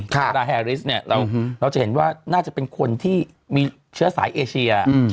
กาเรี้ยหนะที่เห็นว่าน่าจะเป็นคนที่มีเขียนไซเอเชีย